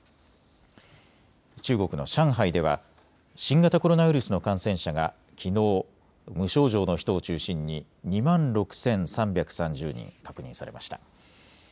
中国の上海では新型コロナウイルスの感染者がきのう、無症状の人を中心に２万６３３０人確認されました。